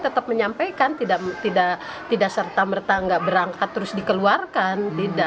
tetap menyampaikan tidak serta merta tidak berangkat terus dikeluarkan